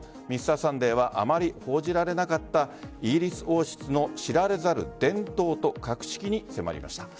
「Ｍｒ．サンデー」はあまり報じられなかったイギリス王室の知られざる伝統と格式に迫りました。